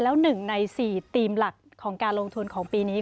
แล้วหนึ่งในสี่ธีมหลักของการลงทุนของปีนี้